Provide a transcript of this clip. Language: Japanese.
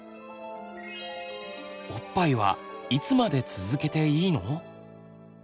おっぱいはいつまで続けていいの？